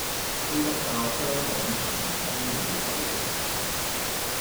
基督教香港崇真會救恩堂